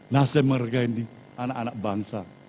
nasdem menghargai anak anak bangsa